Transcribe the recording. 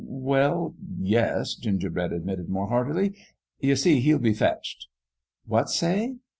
"Well, yes/' Gingerbread admitted, more heartily; "you see, he'll be fetched" "What say?"